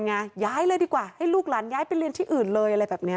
ย้ายเลยดีกว่าให้ลูกหลานย้ายไปเรียนที่อื่นเลยอะไรแบบนี้